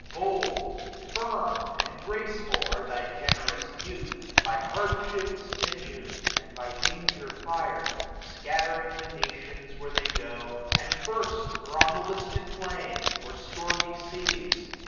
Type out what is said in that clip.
1465 Bold, firm, and graceful, are thy generous youth. By hardship sinew*d, and by danger fir'd ; Scattering the nations where they go j and first Or on the listed plain, or stormy seas.